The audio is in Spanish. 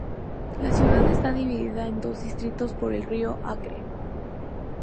La ciudad está dividida en dos distritos por el río Acre.